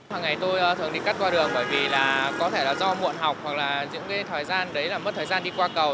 hằng ngày tôi thường đi cắt qua đường bởi vì là có thể là do muộn học hoặc là những thời gian đấy là mất thời gian đi qua cầu